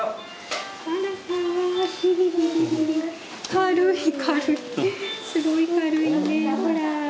軽い軽い、すごい軽いね。